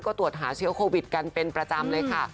ก็ตรวจหาเชื้อโควิดกันเป็นประจำเลยค่ะ